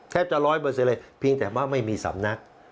แทบจะร้อยเปอร์เซ็นต์เลยเพียงแต่ว่าไม่มีสำนัก